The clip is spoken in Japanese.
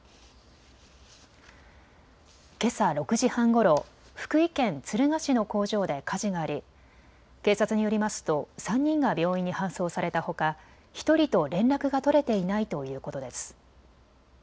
けさ６時半ごろ、福井県敦賀市の工場で火事があり警察によりますと３人が病院に搬送されたほか、１人と連絡が取れていないということです。